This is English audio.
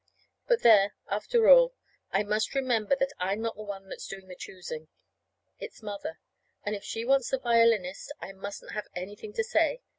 But, there! After all, I must remember that I'm not the one that's doing the choosing. It's Mother. And if she wants the violinist I mustn't have anything to say.